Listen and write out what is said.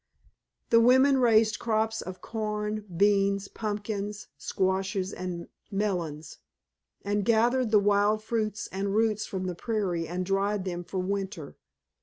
The women raised crops of corn, beans, pumpkins, squashes, and melons, and gathered the wild fruits and roots from the prairie and dried them for winter.